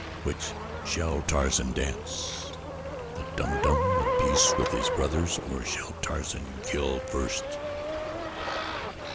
Which shall Tarzan dance the Dum Dum in peace with his brothers, or shall Tarzan kill first?"